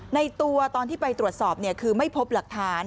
ในตัวตอนที่ไปตรวจสอบคือไม่พบหลักฐาน